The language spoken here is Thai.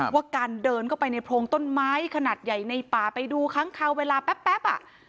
ว่าการเดินเข้าไปในโพรงต้นไม้ขนาดใหญ่ในป่าไปดูค้างคาวเวลาแป๊บอ่ะ